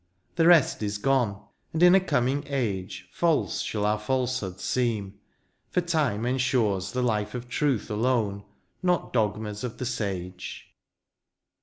The rest is gone — and in a coming age False shall our falsehoods seem, for time ensures The life of truth alone, not dogmas of the sage.